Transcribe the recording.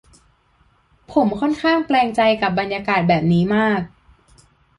ผมค่อนข้างแปลงใจกับบรรยากาศแบบนี้มาก